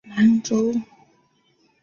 五代南唐保大三年改名南州。